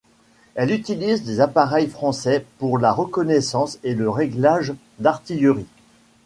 Elle utilise des appareils français pour la reconnaissance et le réglage d'artillerie.